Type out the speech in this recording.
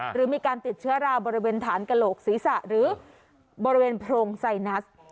หรือมีการติดเชื้อราวบริเวณฐานกระโหลกศีรษะหรือบริเวณโพรงไซนัส